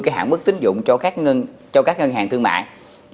cái hạng mức tính dụng cho các ngân hàng thương mạng